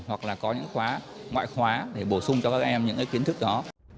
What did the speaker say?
hoặc là có những khóa ngoại khóa để bổ sung cho các em những cái kiến thức đó